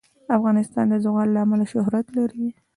افغانستان د زغال له امله شهرت لري.